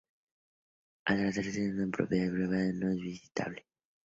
Al tratarse de una propiedad privada, no es visitable.